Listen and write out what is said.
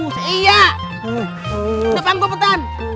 udah panggul petan